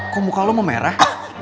kok muka lo mau merah